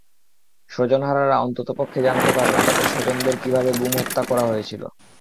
স্বজনহারারা অন্ততপক্ষে জানতে পারবেন, তাদের স্বজনদের কীভাবে গুম, হত্যা করা হয়েছিল।